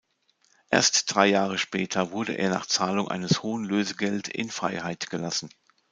Erst drei Jahre später wurde er nach Zahlung eines hohen Lösegeld in Freiheit gelassen.